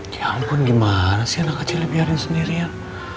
ya ampun gimana sih anak kecil biarin sendirian